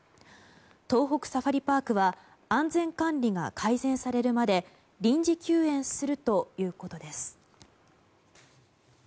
東北サファリパークは安全管理が改善されるまで臨時休園するということです。